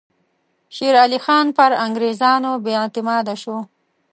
شېر علي خان پر انګریزانو بې اعتماده شو.